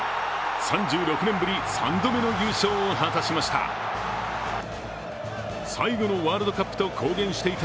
３６年ぶり３度目の優勝を果たしました。